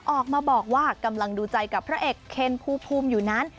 ออกมาบอกว่ากำลังดูใจกับพระเอกเคนภูมิอยู่นั้น